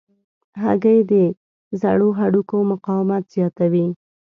هګۍ د زړو هډوکو مقاومت زیاتوي.